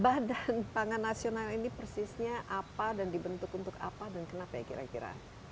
badan pangan nasional ini persisnya apa dan dibentuk untuk apa dan kenapa ya kira kira